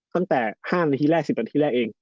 ตั้งแต่๕นาทีแรก๑๐นาทีแรกเอง